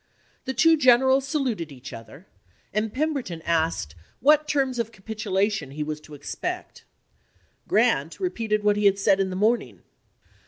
The two generals saluted each other, and Pemberton asked what terms of capitulation he was to expect. Grant re peated what he had said in the morning.